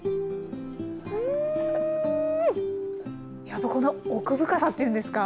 やっぱこの奥深さっていうんですか。